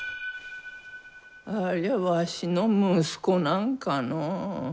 ありゃわしの息子なんかのう？